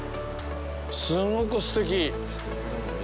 すごくすてき！